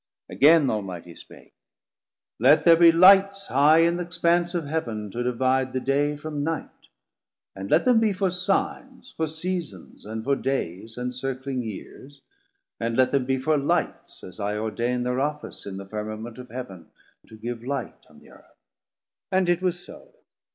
Again th' Almightie spake: Let there be Lights High in th' expanse of Heaven to divide 340 The Day from Night; and let them be for Signes, For Seasons, and for Dayes, and circling Years, And let them be for Lights as I ordaine Thir Office in the Firmament of Heav'n To give Light on the Earth; and it was so.